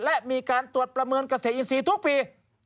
และมีการตรวจประเมินเกษตรอินทรีย์ทุกปี